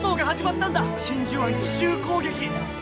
「真珠湾奇襲攻撃」。